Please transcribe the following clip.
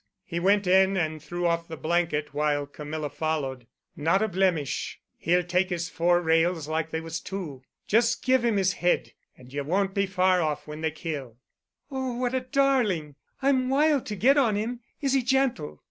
He went in and threw off the blanket, while Camilla followed. "Not a blemish. He'll take his four rails like they was two. Just give him his head, and you won't be far off when they kill." "Oh, what a darling! I'm wild to get on him. Is he gentle?"